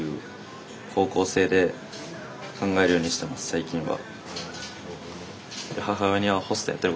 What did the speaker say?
最近は。